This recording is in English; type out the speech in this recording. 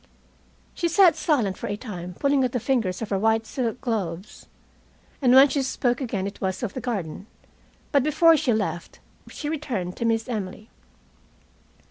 She sat silent for a time, pulling at the fingers of her white silk gloves. And when she spoke again it was of the garden. But before she left she returned to Miss Emily.